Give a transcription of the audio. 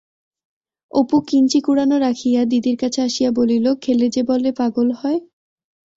অপু কিঞ্চি কুড়ানো রাখিয়া দিদির কাছে আসিয়া বলিল, খেলে যে বলে পাগল হয়?